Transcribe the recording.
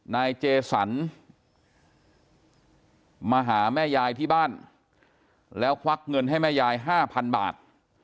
นายเจสันมาหาแม่ยายที่บ้านแล้วควักเงินให้แม่ยาย๕๐๐บาท